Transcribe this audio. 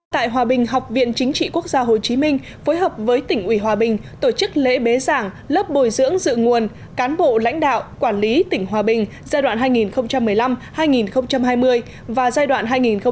tại hòa bình học viện chính trị quốc gia hồ chí minh phối hợp với tỉnh ủy hòa bình tổ chức lễ bế giảng lớp bồi dưỡng dự nguồn cán bộ lãnh đạo quản lý tỉnh hòa bình giai đoạn hai nghìn một mươi năm hai nghìn hai mươi và giai đoạn hai nghìn hai mươi một hai nghìn hai mươi năm